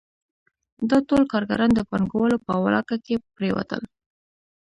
دا ټول کارګران د پانګوالو په ولکه کې پرېوتل